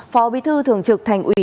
phó bí thư thường trực thành ủy